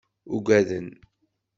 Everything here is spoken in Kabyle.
Ugaden.